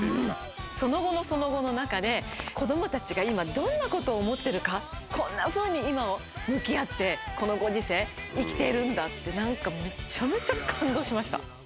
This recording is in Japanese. その後の、その後の中で子供たちがどんなことを思っているか、こんなふうに今を向き合って、このご時世を生きているんだと、めちゃめちゃ感動しました。